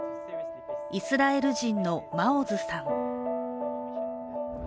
イスラエル人のマオズさん。